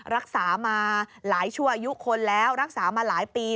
รักษามาหลายชั่วอายุคนแล้วรักษามาหลายปี